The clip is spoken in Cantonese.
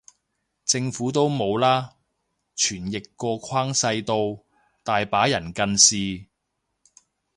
政府都冇啦，傳譯個框細到，大把人近視